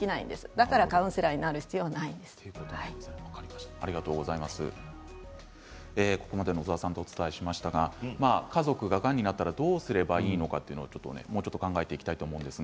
だからカウンセラーになる必要はここまで野澤さんとお伝えしましたが家族が、がんになったらどうすればいいのかもうちょっと考えていきたいと思います。